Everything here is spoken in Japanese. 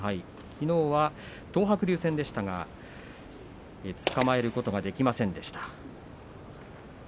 きのう東白龍戦つかまえることができませんでした。